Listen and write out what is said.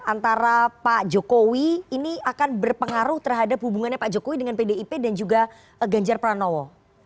antara pak jokowi ini akan berpengaruh terhadap hubungannya pak jokowi dengan pdip dan juga ganjar pranowo